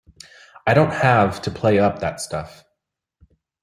I don't have to play up that stuff.